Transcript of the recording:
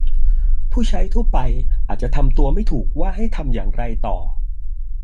ผู้ใช้ทั่วไปอาจจะทำตัวไม่ถูกว่าให้ทำอย่างไรต่อ